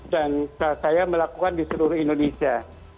dan saya melakukan di seluruh indonesia